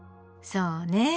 そうね。